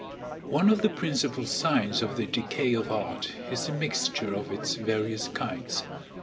One of the principal signs of the decay of art is the mixture of its various kinds.